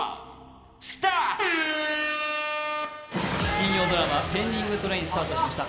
金曜ドラマ「ペンディングトレイン」スタートしました。